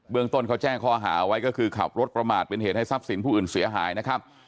เมืองต้นเขาแจ้งข้อหาไว้ก็คือขับรถประมาทเป็นเหตุให้ทรัพย์สินผู้อื่นเสียหายนะครับ